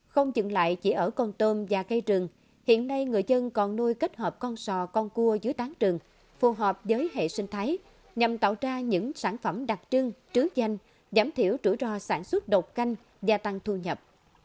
không dừng lại chỉ ở con tôm và cây rừng hiện nay người dân còn nuôi kết hợp con sò con cua dưới tán rừng phù hợp với hệ sinh thái nhằm tạo ra những sản phẩm đặc trưng trứ danh giảm thiểu trữ ro sản xuất độc canh gia tăng thu nhập